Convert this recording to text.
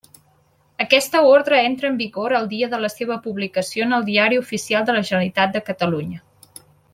Aquesta Ordre entra en vigor el dia de la seva publicació en el Diari Oficial de la Generalitat de Catalunya.